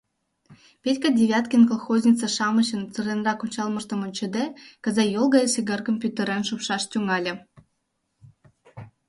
Петька Девяткин, колхознице-шамычын сыренрак ончалмыштым ончыде, каза йол гай сигаркам пӱтырен шупшаш тӱҥале.